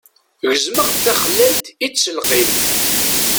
Gezmeɣ-d taxellalt i ttelqim.